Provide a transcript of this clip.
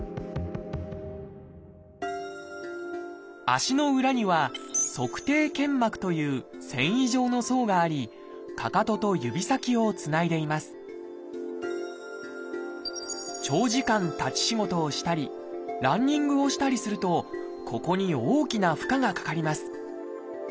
足の裏には「足底腱膜」という繊維状の層がありかかとと指先をつないでいます長時間立ち仕事をしたりランニングをしたりするとここに大きな負荷がかかります。